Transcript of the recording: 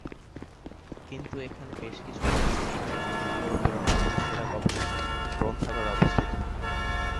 কিন্তু এখানে বেশ কিছু গবেষণাগার এবং ইউরোপের অন্যতম সেরা গবেষণা গ্রন্থাগার অবস্থিত।